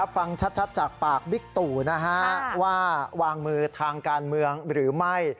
ฟังชัดจากปากบิ๊กตู่นะฮะว่าวางมือทางการเมืองหรือไม่